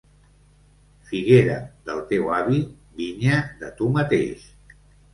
Figuera, del teu avi; vinya, de tu mateix.